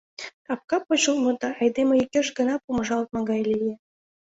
Капка почылтмо да айдеме йӱкеш гына помыжалтме гай лие.